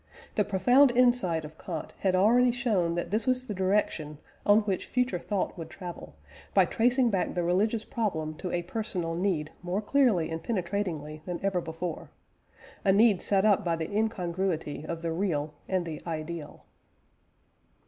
The profound insight of Kant had already shown that this was the direction on which future thought would travel, by tracing back the religious problem to a personal need more clearly and penetratingly than ever before a need set up by the incongruity of the real and the ideal.